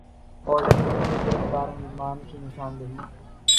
اور ڈکیتی کے گرفتار ملزمان کی نشاندہی